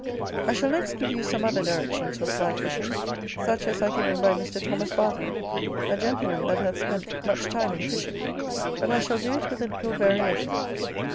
I shall next give you some other directions for fly fishing, such as are given by Mr. Thomas Barker, a gentleman that hath spent much time in fishing: but I shall do it with a little variation.